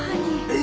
え？